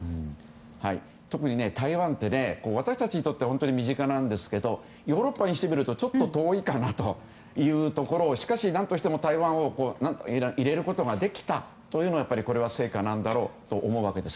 特に台湾って私たちにとっては身近なんですがヨーロッパにしてみるとちょっと遠いかなというところをしかし、何としても台湾を入れることができたというのは成果なんだろうと思うわけです。